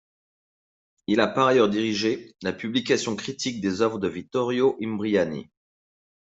Il a par ailleurs dirigé la publication critique des œuvres de Vittorio Imbriani.